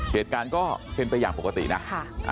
เหตุการณ์ก็เป็นไปอย่างปกตินะ